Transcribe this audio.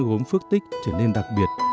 gốm phước tích trở nên đặc biệt